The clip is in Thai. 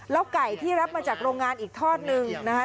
ไก่ที่รับมาจากโรงงานอีกทอดหนึ่งนะคะ